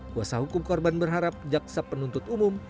kuasa hukum korban berharap jaksa penuntut umum